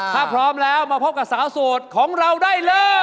ถ้าพร้อมแล้วมาพบกับสาวโสดของเราได้เลย